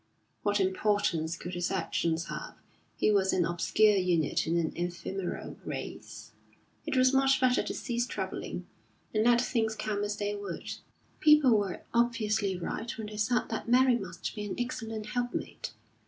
What importance could his actions have, who was an obscure unit in an ephemeral race? It was much better to cease troubling, and let things come as they would. People were obviously right when they said that Mary must be an excellent helpmate.